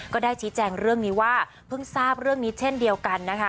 ก็ได้ชี้แจงเรื่องนี้ว่าเพิ่งทราบเรื่องนี้เช่นเดียวกันนะคะ